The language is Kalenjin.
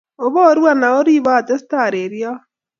Oboro anan oribo atestai areriok?